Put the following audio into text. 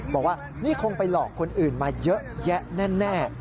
บอกว่านี่คงไปหลอกคนอื่นมาเยอะแยะแน่